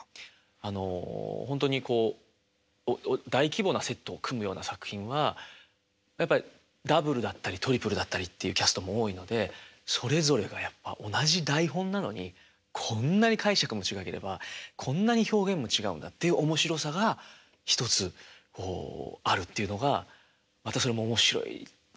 あのほんとにこう大規模なセットを組むような作品はやっぱりダブルだったりトリプルだったりっていうキャストも多いのでそれぞれがやっぱ同じ台本なのにこんなに解釈も違ければこんなに表現も違うんだって面白さが１つあるっていうのがまたそれも面白いなって思いますよね。